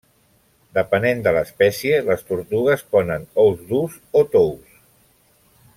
Depenent de l'espècie, les tortugues ponen ous durs o tous.